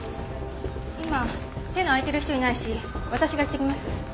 今手の空いてる人いないし私が行ってきます。